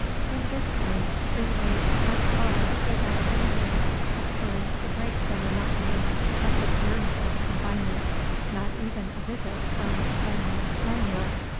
In this way three days passed by without anything occurring to break the monotony of his wearisome confinement, not even a visit from Clement Lanyere.